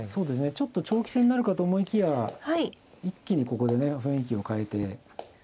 ちょっと長期戦になるかと思いきや一気にここでね雰囲気を変えて。